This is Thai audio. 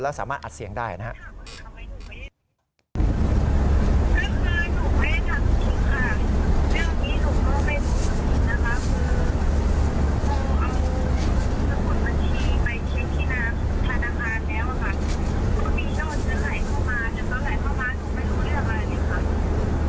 แล้วสามารถอัดเสียงได้นะครับ